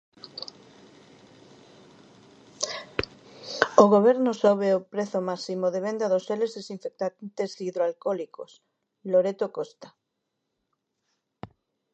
O Goberno sobe o prezo máximo de venda dos xeles desinfectantes hidroalcólicos, Loreto Costa.